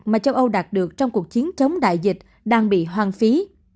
mà châu âu đạt được trong cuộc chiến chống đại dịch đang bị hoang phí